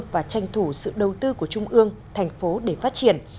và tranh thủ sự đầu tư của trung ương thành phố để phát triển